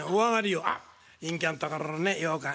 「あっ隠居んところのねようかん。